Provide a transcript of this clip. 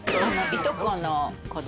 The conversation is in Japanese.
いとこの子供。